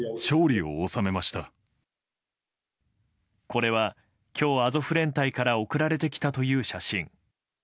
これは今日、アゾフ連隊から送られてきたという写真。